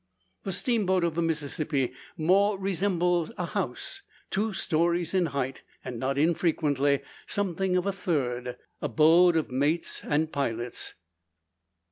The steamboat of the Mississippi more resembles a house, two stories in height, and, not unfrequently, something of a third abode of mates and pilots.